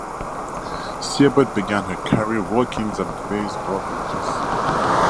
Siebert began her career working at various brokerages.